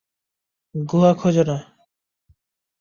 গুহা খুঁজে নাও।